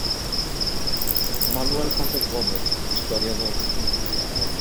Manuel Pazos Gómez, historiador.